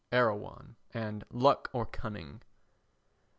[Erewhon and Luck or Cunning?